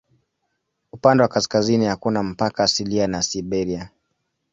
Upande wa kaskazini hakuna mpaka asilia na Siberia.